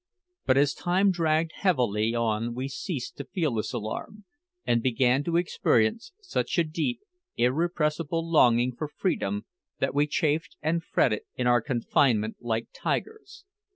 But as time dragged heavily on we ceased to feel this alarm, and began to experience such a deep, irrepressible longing for freedom that we chafed and fretted in our confinement like tigers.